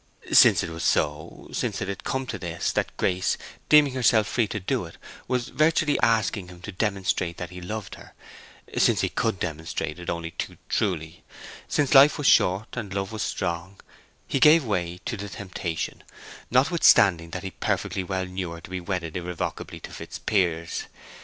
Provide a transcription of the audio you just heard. Since it was so—since it had come to this, that Grace, deeming herself free to do it, was virtually asking him to demonstrate that he loved her—since he could demonstrate it only too truly—since life was short and love was strong—he gave way to the temptation, notwithstanding that he perfectly well knew her to be wedded irrevocably to Fitzpiers.